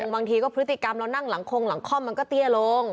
บางทีก็พฤติกรรมเรานั่งหลังคงหลังคล่อมมันก็เตี้ยลง